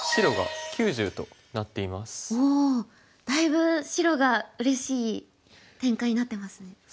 おおだいぶ白がうれしい展開になってますね。